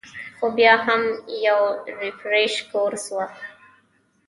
خو بيا هم يو ريفرېشر کورس وۀ -